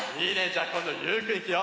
じゃあこんどゆうくんいくよ！